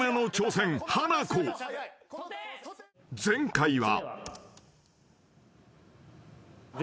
［前回は］